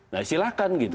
nah silakan gitu